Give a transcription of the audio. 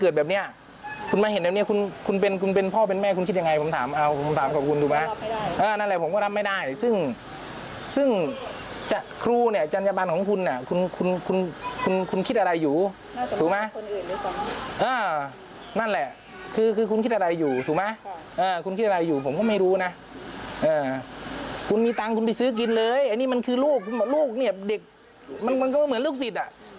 ดูนะคุณมีตังคุณไปซื้อกินเลยอันนี้มันคือลูกลูกเนี่ยเด็กมันก็เหมือนลูกสิทธิ์